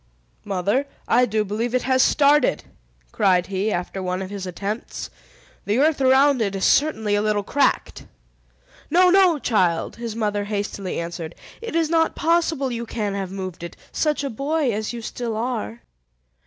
"Mother, I do believe it has started!" cried he, after one of his attempts. "The earth around it is certainly a little cracked!" "No, no, child!" his mother hastily answered. "It is not possible you can have moved it, such a boy as you still are!"